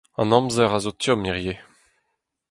An amzer a zo tomm hiziv.